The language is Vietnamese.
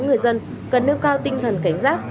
người dân cần nâng cao tinh thần cảnh giác